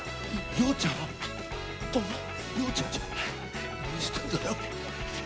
洋ちゃんじゃん何してんだよ。